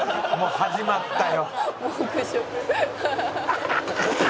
始まったよ」